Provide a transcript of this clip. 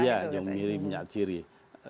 iya jamu miri minyak sirih